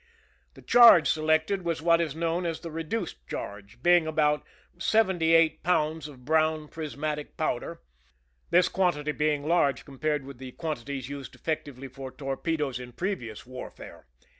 The charge selected was what is known as the reduced charge, being about seventy eight pounds of brown prismatic powder, this quantity being large compared with the quan tities used effectively for torpedoes in previous war fare.